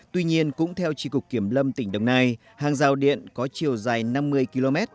tuy nhiên cũng theo trị cục kiểm lâm tỉnh đồng nai hàng rào điện có chiều dài năm mươi km